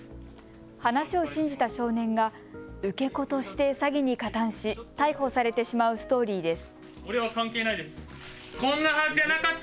話を信じた少年が受け子として詐欺に加担し逮捕されてしまうストーリーです。